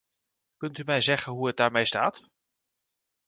Kunt u mij zeggen hoe het daarmee staat?